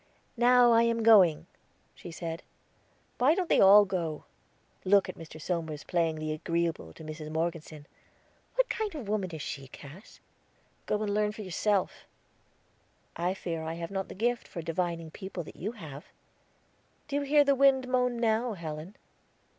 "Now I am going," she said. "Why don't they all go?" "Look at Mr. Somers playing the agreeable to Mrs. Morgeson. What kind of a woman is she, Cass?" "Go and learn for yourself." "I fear I have not the gift for divining people that you have." "Do you hear the wind moan now, Helen?"